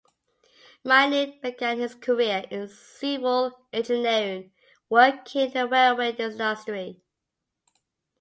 Rynin began his career in civil engineering, working in the railway industry.